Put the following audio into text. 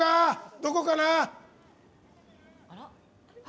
どこから？